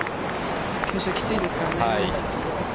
傾斜がきついですからね。